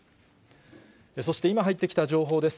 そして、今入ってきた情報です。